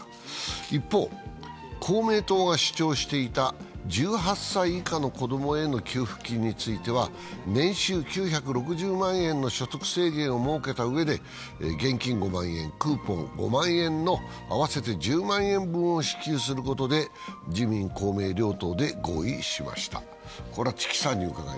一方、公明党が主張していた１８歳以下の子供への給付金については年収９６０万円の所得制限を設けたうえで現金５万円、クーポン５万円の合わせて１０万円分を支給することで自民・公明両党で合意しました。